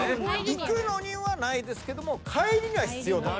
行くのにはないですけど帰りには必要と。